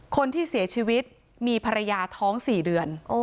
คนที่เสียชีวิตมีภรรยาท้อง๔เดือน